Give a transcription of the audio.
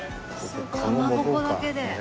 かまぼこだけで。